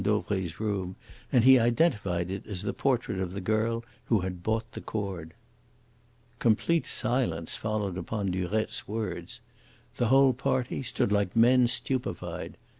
Dauvray's room, and he identified it as the portrait of the girl who had bought the cord." Complete silence followed upon Durette's words. The whole party stood like men stupefied.